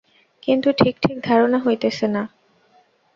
কিন্তু ঠিক ঠিক ধারণা হইতেছে না।